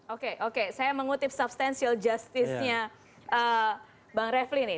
oke oke saya mengutip substansial justice nya bang refli nih